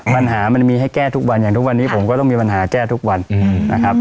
มันมีให้แก้ทุกวันอย่างทุกวันนี้ผมก็ต้องมีปัญหาแก้ทุกวันนะครับ